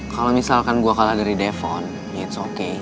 kalau misalkan gue kalah dari devon ya it's okay